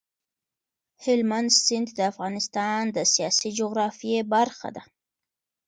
هلمند سیند د افغانستان د سیاسي جغرافیې برخه ده.